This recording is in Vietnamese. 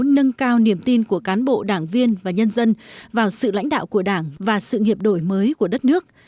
nâng cao niềm tin của cán bộ đảng viên và nhân dân vào sự lãnh đạo của đảng và sự nghiệp đổi mới của đất nước